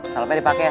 salepnya dipake ya